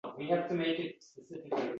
Erkin Aʼzamni ham oʻqimaysan